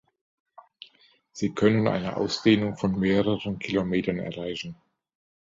Sie können eine Ausdehnung von mehreren Kilometern erreichen.